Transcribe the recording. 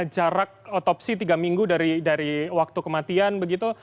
jarak otopsi tiga minggu dari waktu kematian begitu